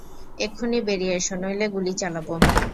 এক্ষুণি বেরিয়ে এসো, নইলে গুলি চালাবো!